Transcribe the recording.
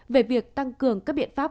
về việc tăng cường các biện pháp